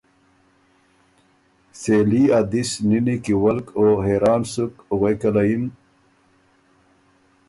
سېلی ا دِس نِنی کی ولک او حېران سُک غوېکه له یِن۔